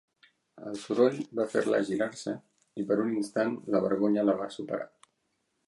El soroll va fer-la girar-se, i per un instant la vergonya la va superar.